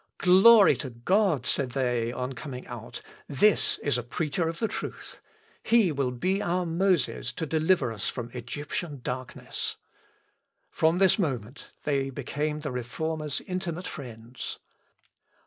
"Glory to God!" said they, on coming out; "this is a preacher of the truth. He will be our Moses to deliver us from Egyptian darkness." From this moment they became the Reformer's intimate friends.